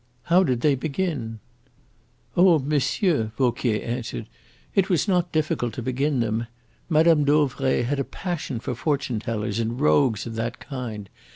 How did they begin?" "Oh, monsieur," Vauquier answered, "it was not difficult to begin them. Mme. Dauvray had a passion for fortune tellers and rogues of that kind.